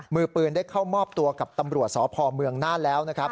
มือปืนได้เข้ามอบตัวกับตำรวจสพเมืองน่านแล้วนะครับ